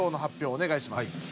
おねがいします。